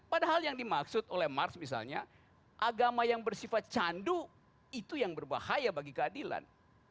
padahal yang dimaksud oleh mars misalnya agama yang bersifat candu itu yang berbahaya bagi keadilan